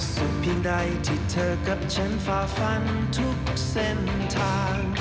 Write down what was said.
สิ่งเพียงใดที่เธอกับฉันฝ่าฟันทุกเส้นทาง